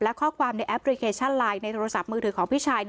และข้อความในแอปพลิเคชันไลน์ในโทรศัพท์มือถือของพี่ชาย